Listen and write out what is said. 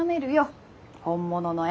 本物の縁。